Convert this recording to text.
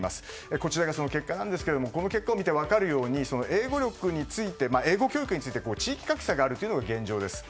こちらがその結果ですがこの結果を見て分かるように英語教育について、地域格差があるというのが現状です。